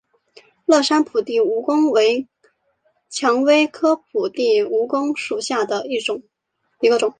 乐山铺地蜈蚣为蔷薇科铺地蜈蚣属下的一个种。